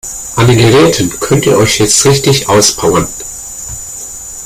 An den Geräten könnt ihr euch jetzt richtig auspowern.